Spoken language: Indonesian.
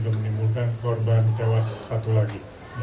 menimbulkan korban tewas satu lagi